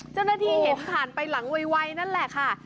เจ้าหน้าที่เห็นผ่านไปหลังไวนั่นแหละค่ะ